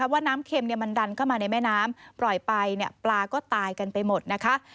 ว่าน้ำเค็มมันดันเข้ามาในแม่น้ำปล่อยไปปลาก็ตายกันไปหมดนะคะ